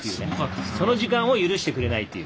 その時間を許してくれないっていう。